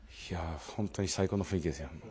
本当に最高の雰囲気ですよ。